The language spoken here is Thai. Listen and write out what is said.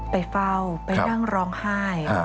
ไปเฝ้าไปนั่งร้องไห้